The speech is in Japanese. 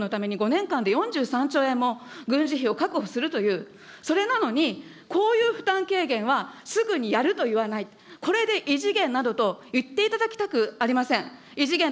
岸田政権は大軍拡のために５年間で円も軍事費を確保するという、それなのに、こういう負担軽減はすぐにやると言わない、これで異次元などといっていただきたくありません。